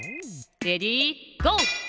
レディーゴー！